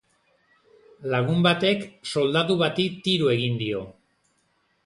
Lagun batek soldadu bati tiro egin dio.